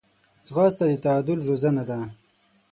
ځغاسته د تعادل روزنه ده